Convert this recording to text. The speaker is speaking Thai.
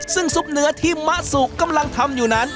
ซึ่งซุปเนื้อที่มะสุกำลังทำอยู่นั้น